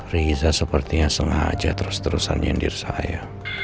riza sepertinya sengaja terus terusan nyendir saya